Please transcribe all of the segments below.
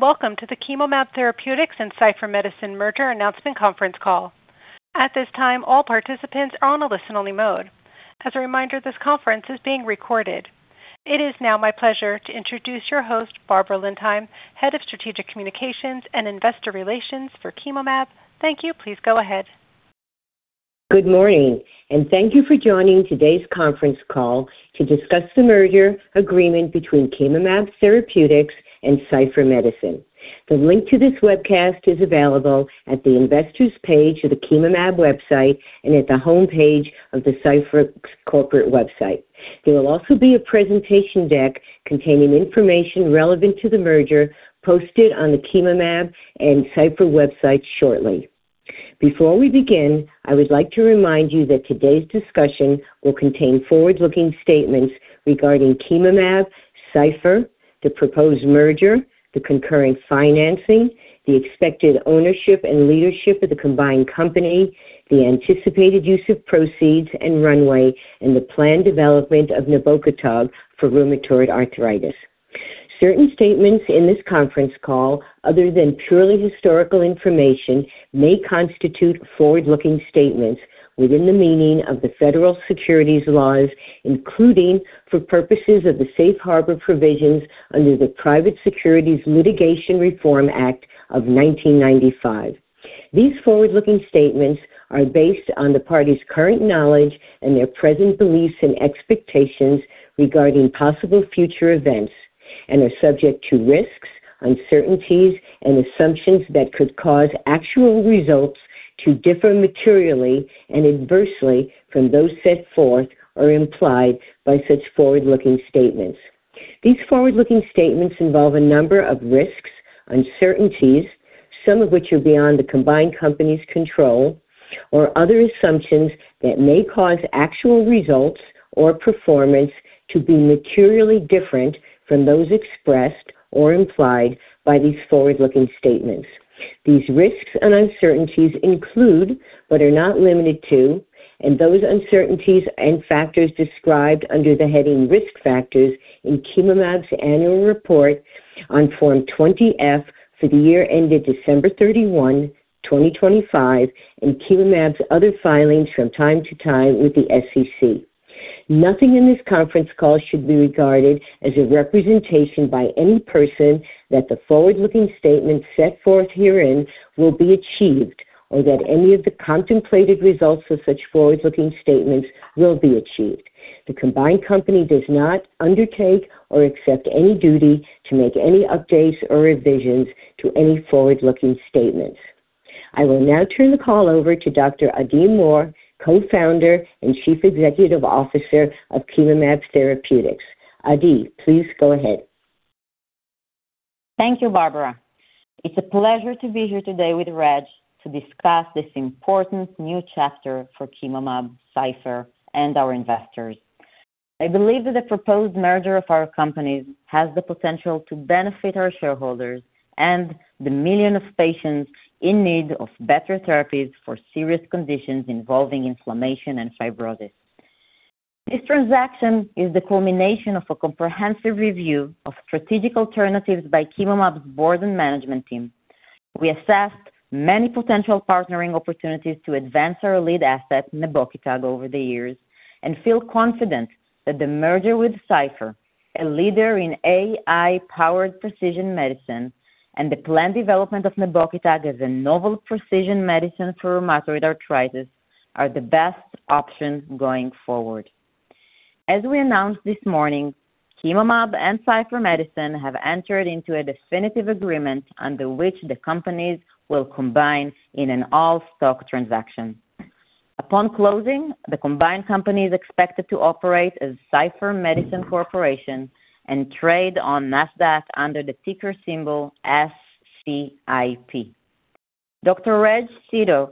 Welcome to the Chemomab Therapeutics and Scipher Medicine merger announcement conference call. At this time, all participants are on a listen-only mode. As a reminder, this conference is being recorded. It is now my pleasure to introduce your host, Barbara Lindheim, Head of Strategic Communications and Investor Relations for Chemomab. Thank you. Please go ahead. Good morning. Thank you for joining today's conference call to discuss the merger agreement between Chemomab Therapeutics and Scipher Medicine. The link to this webcast is available at the investors page of the Chemomab website and at the homepage of the Scipher corporate website. There will also be a presentation deck containing information relevant to the merger posted on the Chemomab and Scipher websites shortly. Before we begin, I would like to remind you that today's discussion will contain forward-looking statements regarding Chemomab and Scipher, the proposed merger, the concurrent financing, the expected ownership and leadership of the combined company, the anticipated use of proceeds and runway, and the planned development of nebokitug for rheumatoid arthritis. Certain statements in this conference call, other than purely historical information, may constitute forward-looking statements within the meaning of the federal securities laws, including for purposes of the safe harbor provisions under the Private Securities Litigation Reform Act of 1995. These forward-looking statements are based on the parties' current knowledge and their present beliefs and expectations regarding possible future events and are subject to risks, uncertainties, and assumptions that could cause actual results to differ materially and adversely from those set forth or implied by such forward-looking statements. These forward-looking statements involve a number of risks, uncertainties, some of which are beyond the combined company's control or other assumptions that may cause actual results or performance to be materially different from those expressed or implied by these forward-looking statements. These risks and uncertainties include, but are not limited to, those uncertainties and factors described under the heading Risk Factors in Chemomab's annual report on Form 20-F for the year ended December 31, 2025, and Chemomab's other filings from time to time with the SEC. Nothing in this conference call should be regarded as a representation by any person that the forward-looking statements set forth herein will be achieved or that any of the contemplated results of such forward-looking statements will be achieved. The combined company does not undertake or accept any duty to make any updates or revisions to any forward-looking statements. I will now turn the call over to Dr. Adi Mor, Co-Founder and Chief Executive Officer of Chemomab Therapeutics. Adi, please go ahead. Thank you, Barbara. It's a pleasure to be here today with Reg to discuss this important new chapter for Chemomab and Scipher, and our investors. I believe that the proposed merger of our companies has the potential to benefit our shareholders and the millions of patients in need of better therapies for serious conditions involving inflammation and fibrosis. This transaction is the culmination of a comprehensive review of strategic alternatives by Chemomab's board and management team. We assessed many potential partnering opportunities to advance our lead asset, nebokitug, over the years and feel confident that the merger with Scipher, a leader in AI-powered precision medicine, and the planned development of nebokitug as a novel precision medicine for rheumatoid arthritis are the best options going forward. As we announced this morning, Chemomab and Scipher Medicine have entered into a definitive agreement under which the companies will combine in an all-stock transaction. Upon closing, the combined company is expected to operate as Scipher Medicine Corporation and trade on Nasdaq under the ticker symbol SCIP. Dr. Reg Seeto,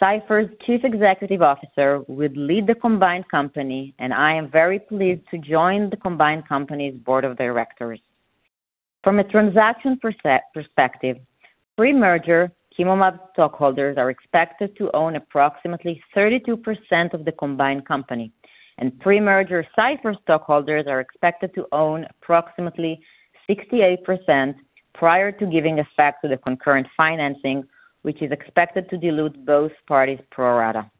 Scipher's Chief Executive Officer, would lead the combined company, and I am very pleased to join the combined company's board of directors. From a transaction perspective, pre-merger Chemomab stockholders are expected to own approximately 32% of the combined company, and pre-merger Scipher stockholders are expected to own approximately 68% prior to giving effect to the concurrent financing, which is expected to dilute both parties pro rata.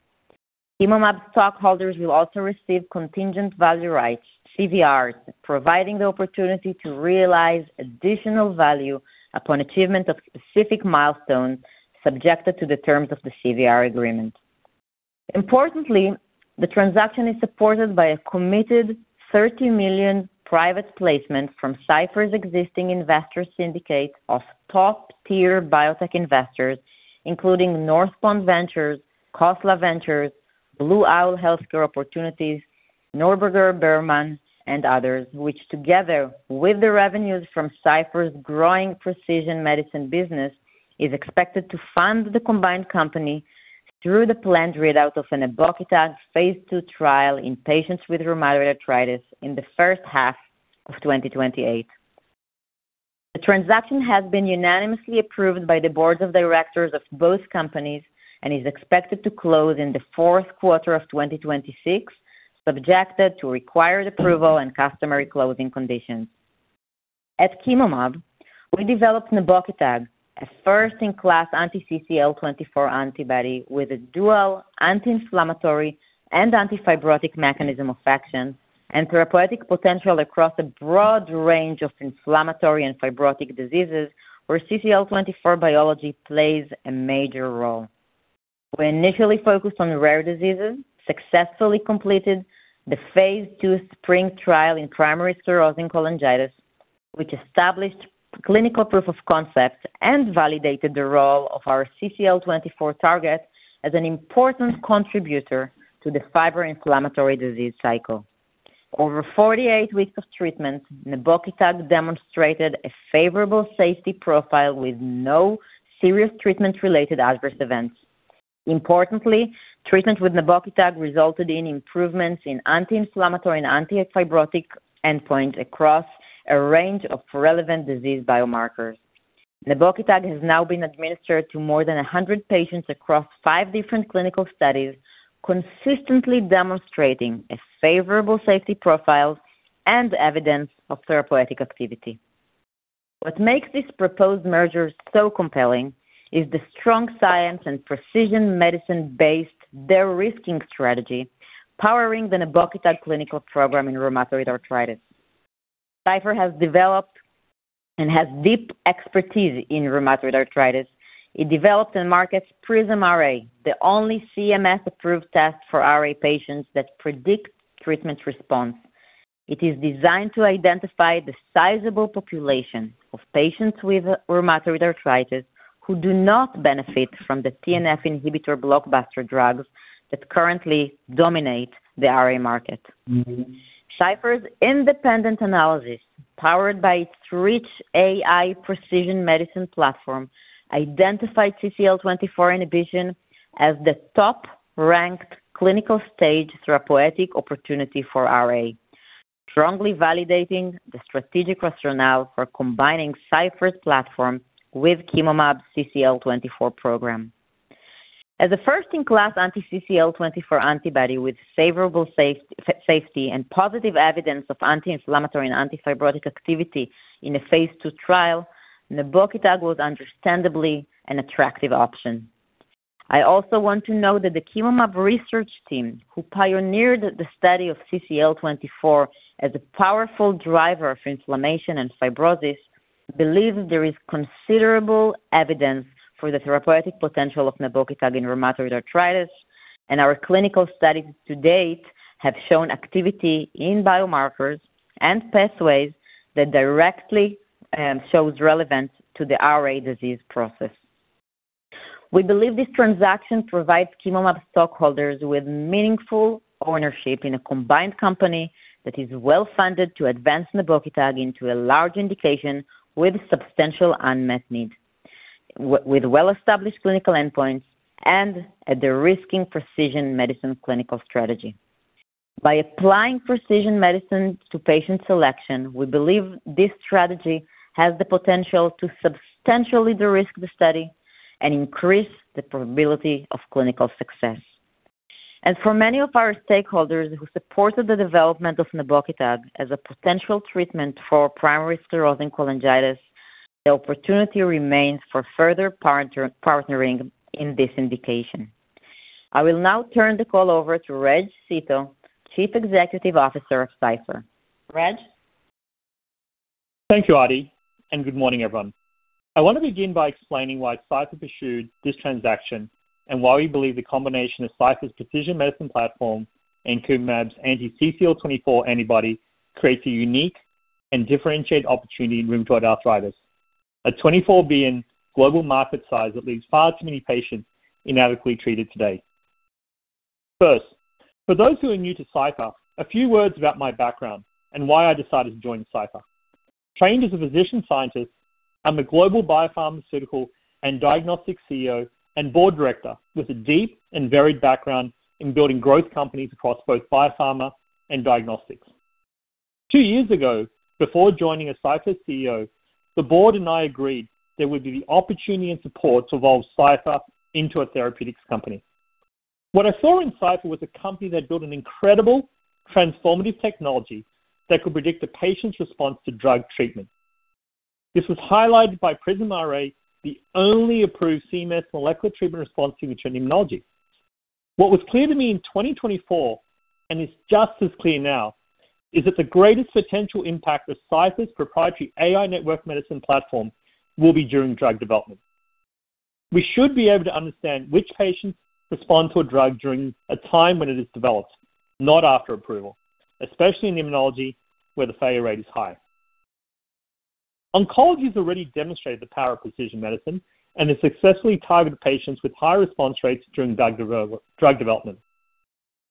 Chemomab stockholders will also receive Contingent Value Rights, CVRs, providing the opportunity to realize additional value upon achievement of specific milestones subjected to the terms of the CVR agreement. Importantly, the transaction is supported by a committed $30 million private placement from Scipher's existing investor syndicate of top-tier biotech investors, including Northpond Ventures, Khosla Ventures, Blue Owl Healthcare Opportunities, Neuberger Berman, and others, which together with the revenues from Scipher's growing precision medicine business, is expected to fund the combined company through the planned readout of a nebokitug Phase II trial in patients with rheumatoid arthritis in the first half of 2028. The transaction has been unanimously approved by the boards of directors of both companies and is expected to close in the fourth quarter of 2026, subjected to required approval and customary closing conditions. At Chemomab, we developed nebokitug, a first-in-class anti-CCL24 antibody with a dual anti-inflammatory and anti-fibrotic mechanism of action and therapeutic potential across a broad range of inflammatory and fibrotic diseases where CCL24 biology plays a major role. We initially focused on rare diseases, successfully completed the Phase II SPRING trial in Primary Sclerosing Cholangitis, which established clinical proof of concept and validated the role of our CCL24 target as an important contributor to the fibroinflammatory disease cycle. Over 48 weeks of treatment, nebokitug demonstrated a favorable safety profile with no serious treatment-related adverse events. Importantly, treatment with nebokitug resulted in improvements in anti-inflammatory and anti-fibrotic endpoint across a range of relevant disease biomarkers. nebokitug has now been administered to more than 100 patients across five different clinical studies, consistently demonstrating a favorable safety profile and evidence of therapeutic activity. What makes this proposed merger so compelling is the strong science and precision medicine-based de-risking strategy powering the nebokitug clinical program in rheumatoid arthritis. Scipher has developed and has deep expertise in rheumatoid arthritis. It develops and markets PrismRA, the only CMS-approved test for RA patients that predicts treatment response. It is designed to identify the sizable population of patients with rheumatoid arthritis who do not benefit from the TNF inhibitor blockbuster drugs that currently dominate the RA market. Scipher's independent analysis, powered by its rich AI precision medicine platform, identified CCL24 inhibition as the top-ranked clinical-stage therapeutic opportunity for RA, strongly validating the strategic rationale for combining Scipher's platform with Chemomab's CCL24 program. As a first-in-class anti-CCL24 antibody with favorable safety and positive evidence of anti-inflammatory and anti-fibrotic activity in a Phase II trial, nebokitug was understandably an attractive option. I also want to note that the Chemomab research team, who pioneered the study of CCL24 as a powerful driver of inflammation and fibrosis, believes there is considerable evidence for the therapeutic potential of nebokitug in rheumatoid arthritis, and our clinical studies to date have shown activity in biomarkers and pathways that directly shows relevance to the RA disease process. We believe this transaction provides Chemomab stockholders with meaningful ownership in a combined company that is well-funded to advance nebokitug into a large indication with substantial unmet need, with well-established clinical endpoints and a de-risking precision medicine clinical strategy. By applying precision medicine to patient selection, we believe this strategy has the potential to substantially de-risk the study and increase the probability of clinical success. As for many of our stakeholders who supported the development of nebokitug as a potential treatment for Primary Sclerosing Cholangitis, the opportunity remains for further partnering in this indication. I will now turn the call over to Reg Seeto, Chief Executive Officer of Scipher. Reg? Thank you, Adi, and good morning, everyone. I want to begin by explaining why Scipher pursued this transaction and why we believe the combination of Scipher's precision medicine platform and Chemomab's anti-CCL24 antibody creates a unique and differentiated opportunity in rheumatoid arthritis, a $24 billion global market size that leaves far too many patients inadequately treated today. First, for those who are new to Scipher, a few words about my background and why I decided to join Scipher. Trained as a physician scientist, I'm a global biopharmaceutical and diagnostic CEO and board director with a deep and varied background in building growth companies across both biopharma and diagnostics. Two years ago, before joining as Scipher's CEO, the board and I agreed there would be the opportunity and support to evolve Scipher into a therapeutics company. What I saw in Scipher was a company that built an incredible transformative technology that could predict a patient's response to drug treatment. This was highlighted by PrismRA, the only approved CMS molecular treatment response signature in immunology. What was clear to me in 2024, and is just as clear now, is that the greatest potential impact of Scipher's proprietary AI network medicine platform will be during drug development. We should be able to understand which patients respond to a drug during a time when it is developed, not after approval, especially in immunology where the failure rate is high. Oncology has already demonstrated the power of precision medicine and has successfully targeted patients with high response rates during drug development.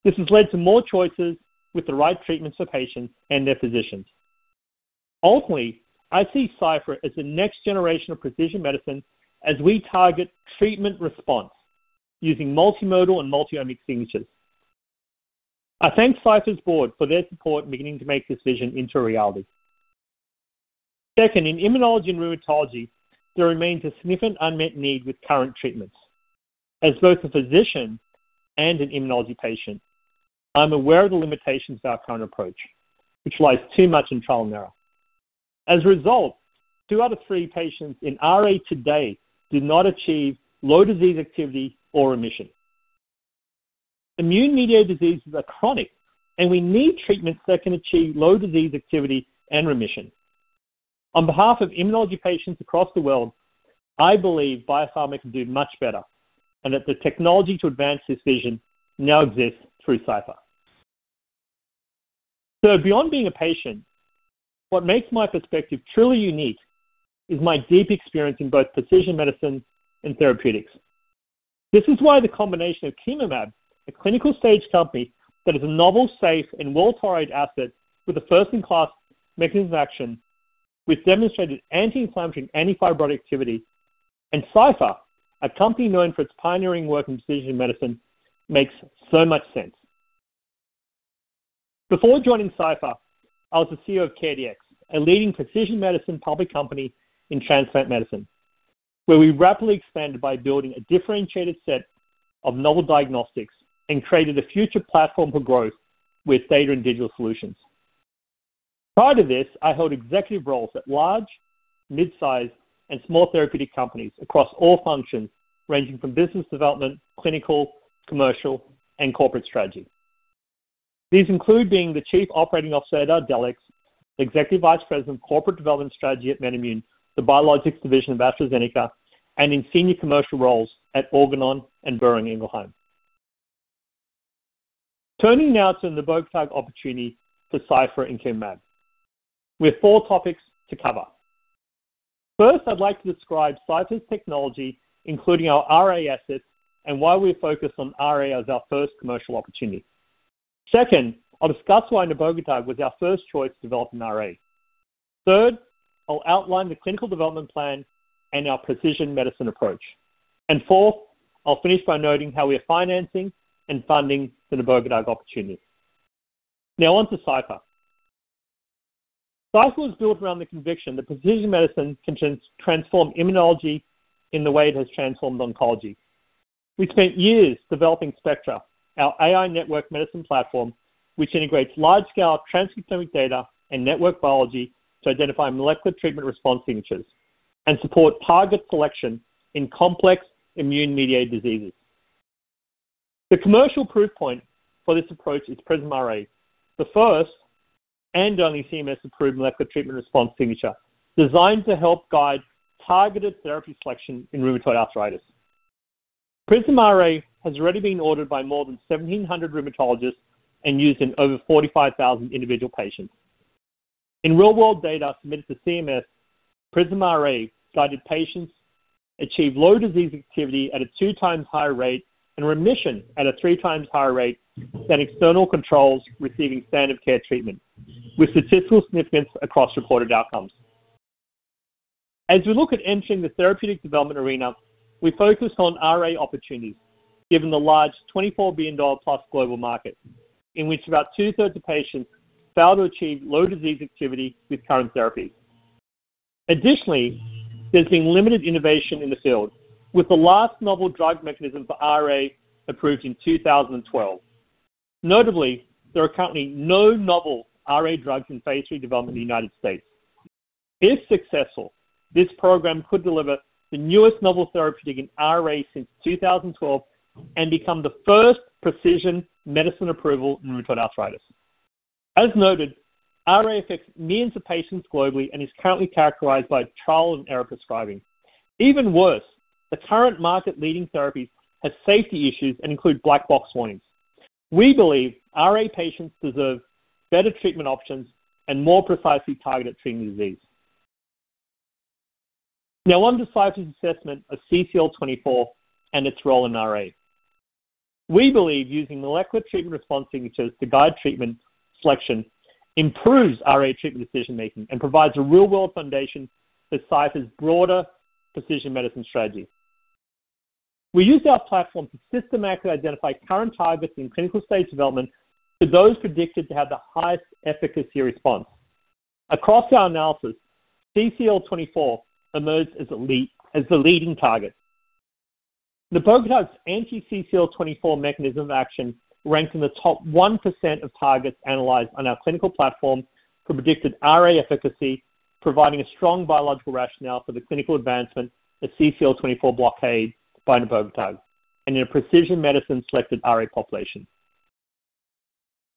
This has led to more choices with the right treatments for patients and their physicians. Ultimately, I see Scipher as the next generation of precision medicine as we target treatment response using multimodal and multi-omics signatures. I thank Scipher's board for their support in beginning to make this vision into a reality. Second, in immunology and rheumatology, there remains a significant unmet need with current treatments. As both a physician and an immunology patient, I'm aware of the limitations of our current approach, which lies too much in trial and error. As a result, two out of three patients in RA today do not achieve low disease activity or remission. Immune-mediated diseases are chronic, and we need treatments that can achieve low disease activity and remission. On behalf of immunology patients across the world, I believe biopharma can do much better and that the technology to advance this vision now exists through Scipher. Beyond being a patient, what makes my perspective truly unique is my deep experience in both precision medicine and therapeutics. This is why the combination of Chemomab, a clinical stage company that has a novel, safe, and well-tolerated asset with a first-in-class mechanism of action with demonstrated anti-inflammatory and anti-fibrotic activity, and Scipher, a company known for its pioneering work in precision medicine, makes so much sense. Before joining Scipher, I was the CEO of CareDx, a leading precision medicine public company in transplant medicine, where we rapidly expanded by building a differentiated set of novel diagnostics and created a future platform for growth with data and digital solutions. Prior to this, I held executive roles at large, mid-size, and small therapeutic companies across all functions ranging from business development, clinical, commercial, and corporate strategy. These include being the Chief Operating Officer at Ardelyx, the Executive Vice President of Corporate Development Strategy at MedImmune, the biologics division of AstraZeneca, and in senior commercial roles at Organon and Boehringer Ingelheim. Turning now to the nebokitug opportunity for Scipher and Chemomab. We have four topics to cover. First, I'd like to describe Scipher's technology, including our RA assets and why we're focused on RA as our first commercial opportunity. Second, I'll discuss why nebokitug was our first choice to develop in RA. Third, I'll outline the clinical development plan and our precision medicine approach. Fourth, I'll finish by noting how we are financing and funding the nebokitug opportunity. Now on to Scipher. Scipher was built around the conviction that precision medicine can transform immunology in the way it has transformed oncology. We've spent years developing Spectra, our AI network medicine platform, which integrates large-scale transcriptomic data and network biology to identify molecular treatment response signatures and support target selection in complex immune-mediated diseases. The commercial proof point for this approach is PrismRA, the first and only CMS-approved molecular treatment response signature designed to help guide targeted therapy selection in rheumatoid arthritis. PrismRA has already been ordered by more than 1,700 rheumatologists and used in over 45,000 individual patients. In real-world data submitted to CMS, PrismRA guided patients achieve low disease activity at a 2x higher rate and remission at a 3x higher rate than external controls receiving standard of care treatment, with statistical significance across reported outcomes. As we look at entering the therapeutic development arena, we focused on RA opportunities, given the large $24 billion-plus global market in which about 2/3 of patients fail to achieve low disease activity with current therapies. Additionally, there's been limited innovation in the field, with the last novel drug mechanism for RA approved in 2012. Notably, there are currently no novel RA drugs in Phase III development in the U.S. If successful, this program could deliver the newest novel therapeutic in RA since 2012 and become the first precision medicine approval in rheumatoid arthritis. As noted, RA affects millions of patients globally and is currently characterized by trial and error prescribing. Even worse, the current market-leading therapies have safety issues and include black box warnings. We believe RA patients deserve better treatment options and more precisely targeted treatment disease. Now on to Scipher's assessment of CCL24 and its role in RA. We believe using molecular treatment response signatures to guide treatment selection improves RA treatment decision-making and provides a real-world foundation for Scipher's broader precision medicine strategy. We used our platform to systematically identify current targets in clinical stage development for those predicted to have the highest efficacy response. Across our analysis, CCL24 emerged as the leading target. Nebokitug's anti-CCL24 mechanism of action ranked in the top 1% of targets analyzed on our clinical platform for predicted RA efficacy, providing a strong biological rationale for the clinical advancement of CCL24 blockade by nebokitug in a precision medicine-selected RA population.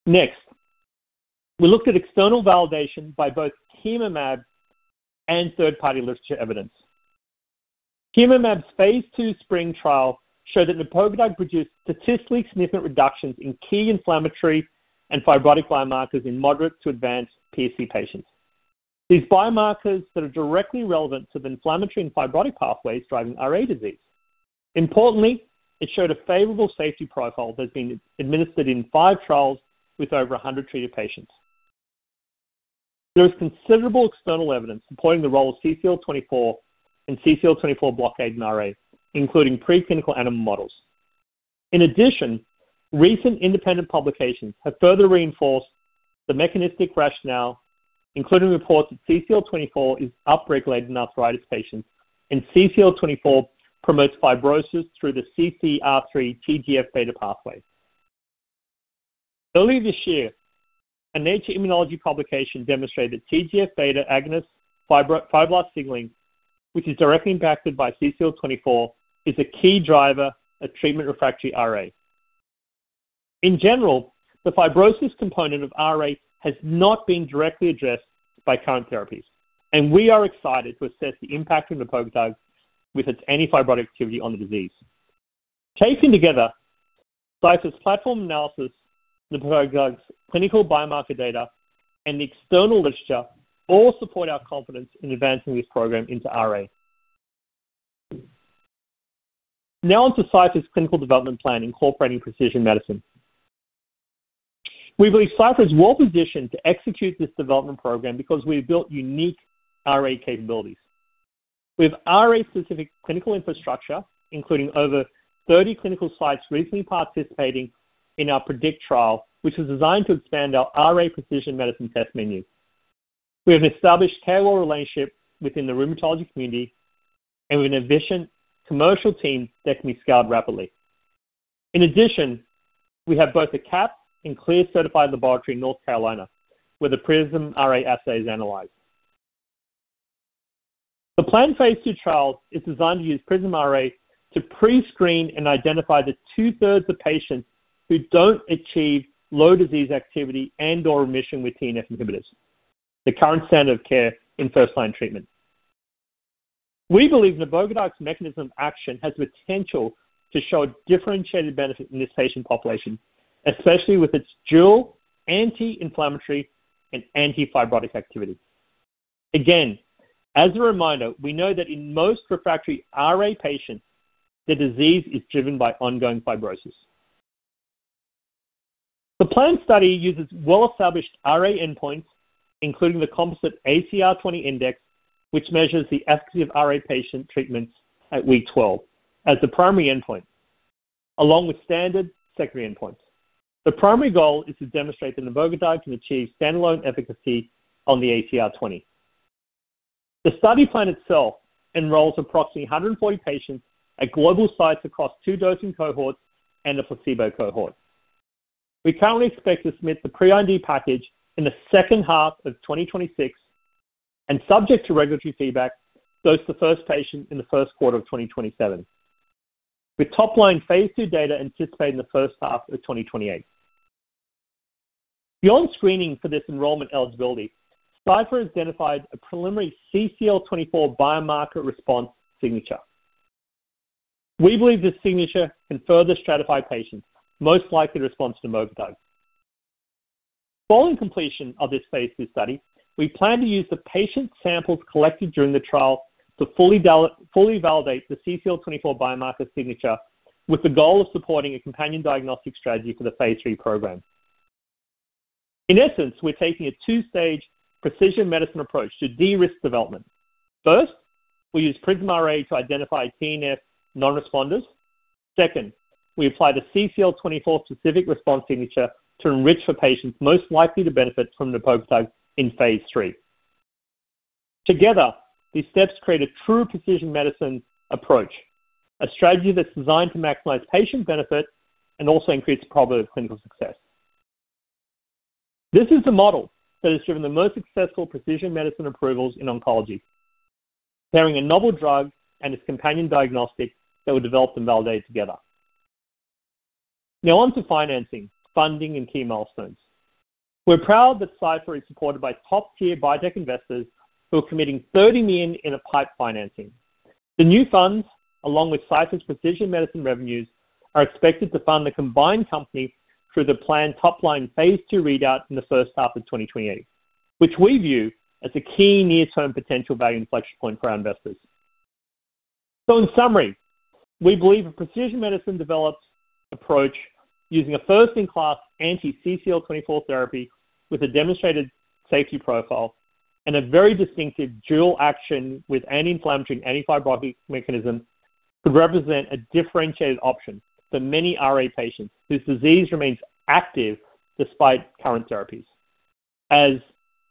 Next, we looked at external validation by both Chemomab and third-party literature evidence. Chemomab's Phase II SPRING trial showed that nebokitug produced statistically significant reductions in key inflammatory and fibrotic biomarkers in moderate to advanced PSC patients. These biomarkers that are directly relevant to the inflammatory and fibrotic pathways driving RA disease. Importantly, it showed a favorable safety profile that's been administered in five trials with over 100 treated patients. There is considerable external evidence supporting the role of CCL24 and CCL24 blockade in RA, including preclinical animal models. In addition, recent independent publications have further reinforced the mechanistic rationale, including reports that CCL24 is upregulated in arthritis patients and CCL24 promotes fibrosis through the CCR3/TGF-beta pathway. Earlier this year, a Nature Immunology publication demonstrated TGF-beta agonist fibroblast signaling, which is directly impacted by CCL24, is a key driver of treatment-refractory RA. In general, the fibrosis component of RA has not been directly addressed by current therapies, and we are excited to assess the impact of nebokitug with its anti-fibrotic activity on the disease. Scipher's platform analysis, nebokitug clinical biomarker data, and the external literature all support our confidence in advancing this program into RA. On to Scipher's clinical development plan incorporating precision medicine. We believe Scipher is well-positioned to execute this development program because we've built unique RA capabilities. With RA-specific clinical infrastructure, including over 30 clinical sites recently participating in our PREDICT, which was designed to expand our RA precision medicine test menu. We have established KOL relationships within the rheumatology community, we have an efficient commercial team that can be scaled rapidly. In addition, we have both a CAP- and CLIA-certified laboratory in North Carolina, where the PrismRA assay is analyzed. The planned Phase II trial is designed to use PrismRA to pre-screen and identify the two-thirds of patients who don't achieve low disease activity and/or remission with TNF inhibitors, the current standard of care in first-line treatment. We believe nebokitug mechanism action has the potential to show a differentiated benefit in this patient population, especially with its dual anti-inflammatory and anti-fibrotic activity. Again, as a reminder, we know that in most refractory RA patients, the disease is driven by ongoing fibrosis. The planned study uses well-established RA endpoints, including the composite ACR20, which measures the efficacy of RA patient treatments at week 12 as the primary endpoint, along with standard secondary endpoints. The primary goal is to demonstrate that nebokitug can achieve standalone efficacy on the ACR20. The study plan itself enrolls approximately 140 patients at global sites across two dosing cohorts and a placebo cohort. We currently expect to submit the pre-IND package in the second half of 2026, and subject to regulatory feedback, dose the first patient in the first quarter of 2027, with top-line Phase II data anticipated in the first half of 2028. Beyond screening for this enrollment eligibility, Scipher has identified a preliminary CCL24 biomarker response signature. We believe this signature can further stratify patients most likely to respond to nebokitug. Following completion of this Phase II study, we plan to use the patient samples collected during the trial to fully validate the CCL24 biomarker signature with the goal of supporting a companion diagnostic strategy for the Phase III program. In essence, we're taking a two-stage precision medicine approach to de-risk development. First, we use PrismRA to identify TNF non-responders. Second, we apply the CCL24 specific response signature to enrich for patients most likely to benefit from nebokitug in Phase III. These steps create a true precision medicine approach, a strategy that's designed to maximize patient benefit and also increase the probability of clinical success. This is the model that has driven the most successful precision medicine approvals in oncology, pairing a novel drug and its companion diagnostic that were developed and validated together. On to financing, funding, and key milestones. We're proud that Scipher is supported by top-tier biotech investors who are committing $30 million in a pipe financing. The new funds, along with Scipher's precision medicine revenues, are expected to fund the combined company through the planned top-line Phase II readout in the first half of 2028, which we view as a key near-term potential value inflection point for our investors. In summary, we believe a precision medicine-developed approach using a first-in-class anti-CCL24 therapy with a demonstrated safety profile and a very distinctive dual action with anti-inflammatory/anti-fibrotic mechanism could represent a differentiated option for many RA patients whose disease remains active despite current therapies, as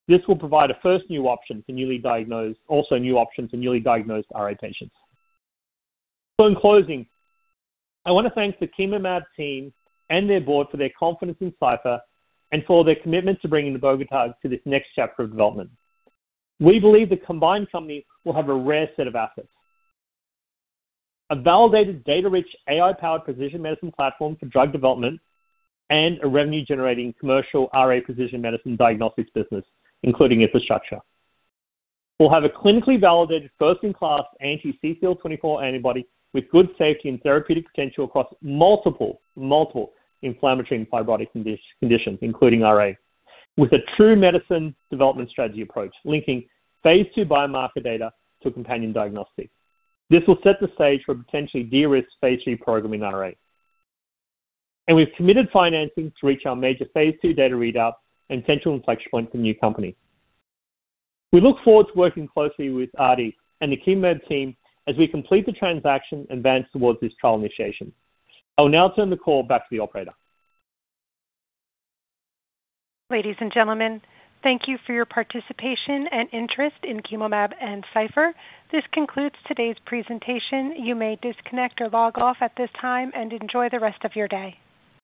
this will provide a first new option for newly diagnosed RA patients. In closing, I want to thank the Chemomab team and their board for their confidence in Scipher and for their commitment to bringing nebokitug to this next chapter of development. We believe the combined company will have a rare set of assets. A validated, data-rich, AI-powered precision medicine platform for drug development and a revenue-generating commercial RA precision medicine diagnostics business, including infrastructure. We will have a clinically validated, first-in-class anti-CCL24 antibody with good safety and therapeutic potential across multiple inflammatory and fibrotic conditions, including RA, with a true medicine development strategy approach linking Phase II biomarker data to a companion diagnostic. This will set the stage for a potentially de-risked Phase III program in RA. And we have committed financing to reach our major Phase II data readout and potential inflection point for new company. We look forward to working closely with Adi and the Chemomab team as we complete the transaction and advance towards this trial initiation. I will now turn the call back to the operator. Ladies and gentlemen, thank you for your participation and interest in Chemomab and Scipher. This concludes today's presentation. You may disconnect or log off at this time, and enjoy the rest of your day.